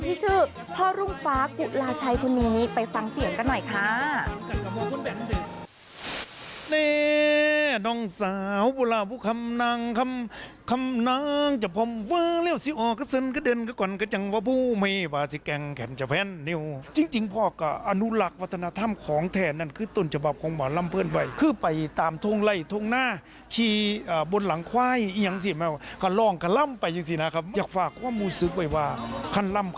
ที่ชื่อพ่อรุ่งฟ้ากุลาชัยคนนี้ไปฟังเสียงกันหน่อยค่ะ